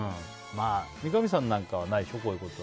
三上さんなんかはないでしょ、こういうこと。